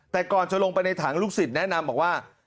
แต่ก่อนจะลงไปในถังลูกศิษย์แนะนำบอกว่า